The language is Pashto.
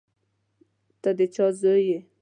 ته د چا زوی یې.